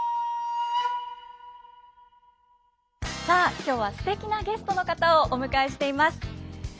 さあ今日はすてきなゲストの方をお迎えしています。